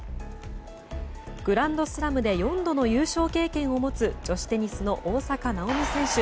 グランドスラムで４度の優勝経験を持つ女子テニスの大坂なおみ選手。